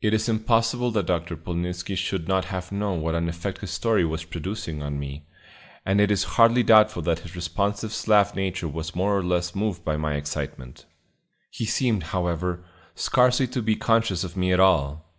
It is impossible that Dr. Polnitzski should not have known what an effect his story was producing on me, and it is hardly doubtful that his responsive Slav nature was more or less moved by my excitement. He seemed, however, scarcely to be conscious of me at all.